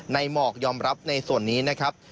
หมอกยอมรับในส่วนนี้นะครับ